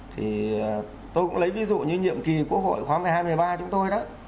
thì tôi cũng lấy ví dụ như nhiệm kỳ quốc hội khoảng về hai mươi ba chúng tôi đó